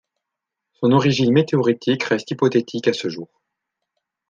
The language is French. Son origine météoritique reste hypothétique à ce jour.